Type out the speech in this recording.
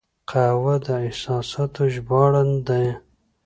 قهوه د احساساتو ژباړن ده